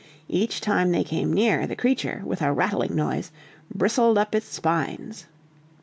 Each time they came near, the creature, with a rattling noise, bristled up its spines.